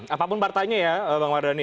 apapun partainya ya pak maroni